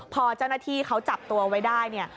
พอเจ้าหน้าที่เขาจับตัวไว้ได้เนี่ย